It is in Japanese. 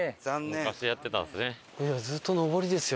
昔やってたんですね。